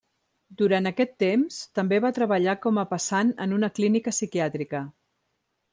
Durant aquest temps també va treballar com a passant en una clínica psiquiàtrica.